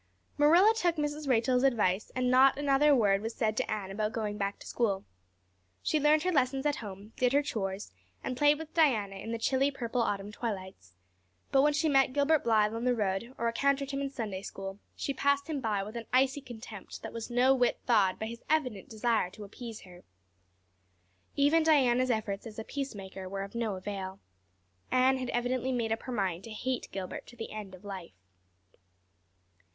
Marilla took Mrs. Rachel's advice and not another word was said to Anne about going back to school. She learned her lessons at home, did her chores, and played with Diana in the chilly purple autumn twilights; but when she met Gilbert Blythe on the road or encountered him in Sunday school she passed him by with an icy contempt that was no whit thawed by his evident desire to appease her. Even Diana's efforts as a peacemaker were of no avail. Anne had evidently made up her mind to hate Gilbert Blythe to the end of life.